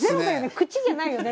「口」じゃないよね？